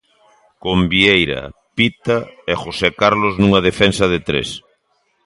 Con Vieira, Pita e José Carlos nunha defensa de tres.